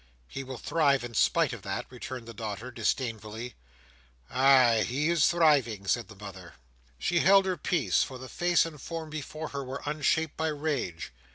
"He will thrive in spite of that," returned the daughter disdainfully. "Ay, he is thriving," said the mother. She held her peace; for the face and form before her were unshaped by rage.